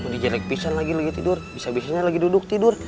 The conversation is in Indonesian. udah jelek pisan lagi lagi tidur bisa bisanya lagi duduk tidur